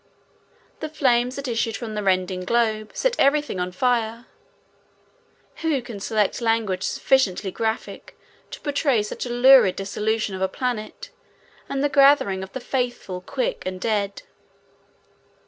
The flames that issued from the rending globe set everything on fire. Who can select language sufficiently graphic to portray such a lurid dissolution of a planet, and the gathering of the faithful, quick and dead?